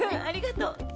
ありがとう！